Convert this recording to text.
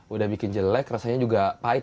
udah bikin jelek rasanya juga pahit